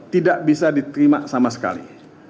tidak bisa diterima sama sekali